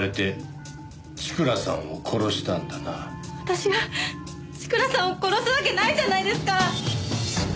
私が千倉さんを殺すわけないじゃないですか！